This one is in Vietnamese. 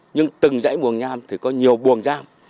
nhưng từng dãy buồng nham thì có nhiều buồng giam